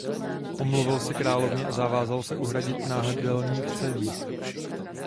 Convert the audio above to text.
Omluvil se královně a zavázal se uhradit náhrdelník celý.